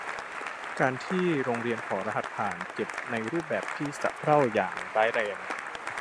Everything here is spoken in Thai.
การที่โรงเรียนขอรหัสผ่าน เก็บในรูปแบบที่สะเพร่าอย่างร้ายแรง